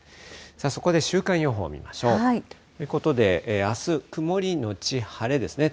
そこで週間予報見ましょう。ということで、あす、曇り後晴れですね。